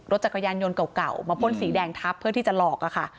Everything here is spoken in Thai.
จักรยานยนต์เก่ามาพ่นสีแดงทับเพื่อที่จะหลอกอะค่ะ